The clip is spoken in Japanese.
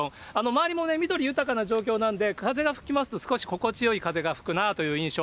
周りもね、緑豊かな状況なんで、風が吹きますと、少し心地よく風が吹くなという印象。